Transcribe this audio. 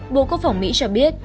bộ quốc phòng mỹ cho biết